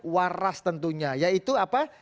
waras tentunya yaitu apa